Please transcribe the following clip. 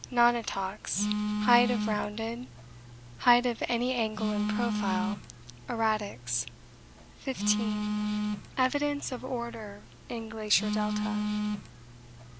Nunataks, height of rounded, height of any angle in profile, erratics. 15. Evidence of order in glacier delta.